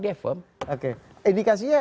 dia firm oke indikasinya